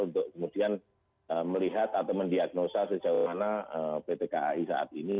untuk kemudian melihat atau mendiagnosa sejauh mana pt kai saat ini